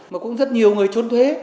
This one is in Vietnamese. mà cũng rất nhiều người trốn thuế